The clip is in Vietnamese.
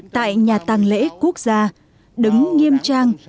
tại nhà tăng lễ quốc gia đứng nghiêm trang